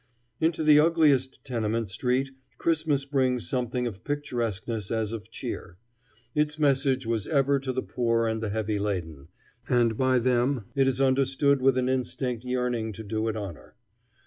Into the ugliest tenement street Christmas brings something of picturesqueness as of cheer. Its message was ever to the poor and the heavy laden, and by them it is understood with an instinctive yearning to do it honor.